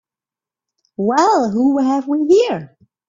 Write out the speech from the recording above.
Well who have we here?